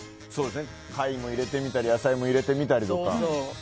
貝も入れてみたり野菜も入れてみたり。